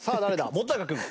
本君。